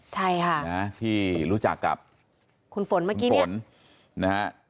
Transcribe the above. ใช่ค่ะนะที่รู้จักกับคุณฝนเมื่อกี้นี้ฝนนะฮะ